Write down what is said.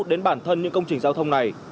đến bản thân những công trình giao thông này